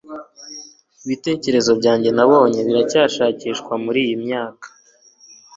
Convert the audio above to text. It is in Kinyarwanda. ibitekerezo byanjye nabonye biracyashakishwa muriyi myaka